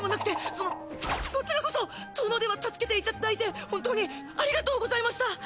そのこちらこそ遠野では助けていただいて本当にありがとうございました！